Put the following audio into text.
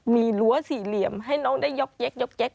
มีหลัวสี่เหลี่ยมให้น้องได้ย็อกแจ๊ก